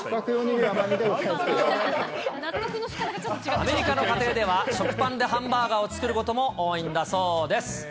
アメリカの家庭では、食パンでハンバーガーを作ることも多いんだそうです。